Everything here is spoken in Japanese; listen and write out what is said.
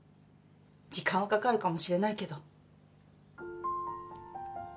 時間はかかるかもしれないけど。